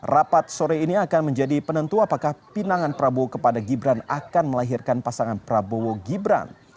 rapat sore ini akan menjadi penentu apakah pinangan prabowo kepada gibran akan melahirkan pasangan prabowo gibran